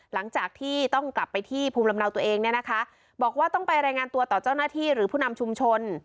หลังจากที่ต้องกลับไปที่ภูมิลำเนาตัวเองเนี่ยนะคะบอกว่าต้องไปรายงานตัวต่อเจ้าหน้าที่หรือผู้นำชุมชน